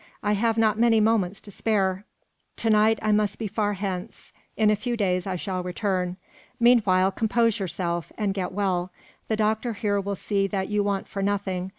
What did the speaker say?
I have not many moments to spare. To night I must be far hence. In a few days I shall return. Meanwhile, compose yourself, and get well. The doctor here will see that you want for nothing.